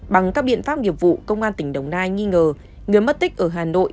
bằng các biện pháp nghiệp vụ công an tỉnh đồng nai nghi ngờ người mất tích ở hà nội